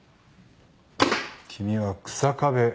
君は日下部だな？